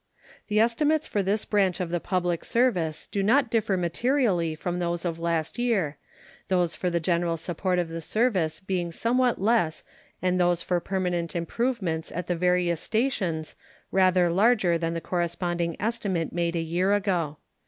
The estimates for this branch of the public service do not differ materially from those of last year, those for the general support of the service being somewhat less and those for permanent improvements at the various stations rather larger than the corresponding estimate made a year ago.